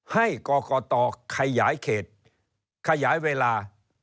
ให้กกตขยายเวลา